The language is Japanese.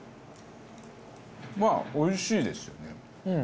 まあおいしいですよね。